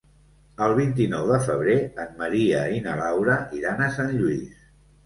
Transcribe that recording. El vint-i-nou de febrer en Maria i na Laura iran a Sant Lluís.